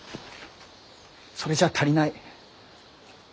それじゃあ足りない。